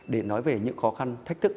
để nói về những khó khăn thách thức